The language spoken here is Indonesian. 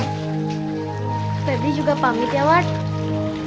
febri juga pamit ya mas